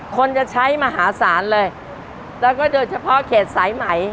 คนจะใช้มหาศาลเลยแล้วก็โดยเฉพาะเขตสายไหม